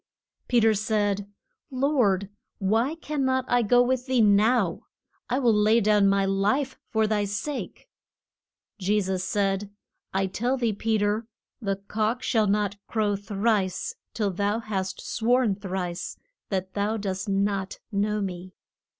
Pe ter said, Lord, why can not I go with thee now? I will lay down my life for thy sake! Je sus said, I tell thee, Pe ter, the cock shall not crow thrice till thou hast sworn thrice that thou dost not know me.